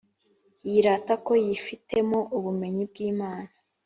Yirata ko yifitemo ubumenyi bw’Imana,